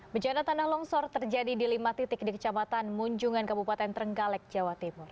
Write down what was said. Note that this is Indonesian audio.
bencana tanah longsor terjadi di lima titik di kecamatan munjungan kabupaten trenggalek jawa timur